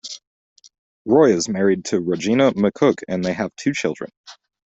Roy is married to Rogena McCook and they have two children.